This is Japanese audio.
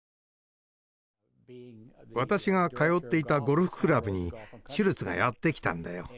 私が通っていたゴルフクラブにシュルツがやって来たんだよ。